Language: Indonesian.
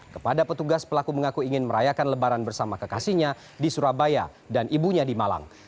kepada petugas pelaku mengaku ingin merayakan lebaran bersama kekasihnya di surabaya dan ibunya di malang